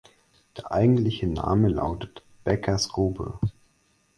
Der eigentliche Name lautet Beckers Grube.